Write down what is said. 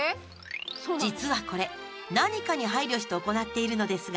実はこれ、何かに配慮して行っているのですが。